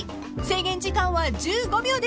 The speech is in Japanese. ［制限時間は１５秒です］